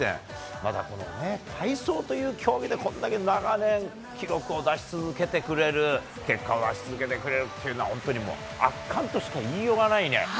また体操という競技でこれだけ長年記録を出し続けてくれる結果を出し続けてくれるのは圧巻としか言いようがないね！